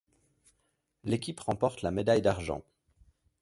L'équipe remporte la médaille d'argent.